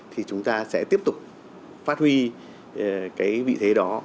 thì chúng ta sẽ tiếp tục phát huy cái vị thế đó